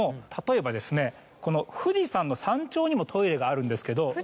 例えばこの富士山の山頂にもトイレがあるんですけど。